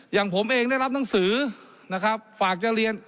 อย่างผมเองได้รับหนังสือนะครับฝากจะเรียน